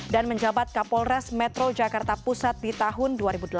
dan menjabat kapolres metro jakarta pusat di tahun dua ribu delapan